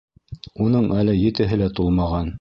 Уның әле етеһе лә тулмаған.